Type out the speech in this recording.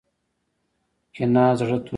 کینه زړه توروي